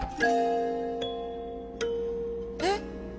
えっ。